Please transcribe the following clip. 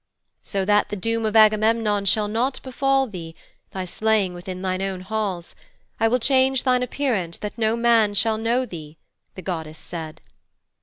'So that the doom of Agamemnon shall not befall thee thy slaying within thine own halls I will change thine appearance that no man shall know thee,' the goddess said.